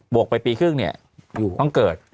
วกไปปีครึ่งเนี่ยอยู่ต้องเกิด